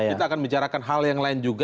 kita akan bicarakan hal yang lain juga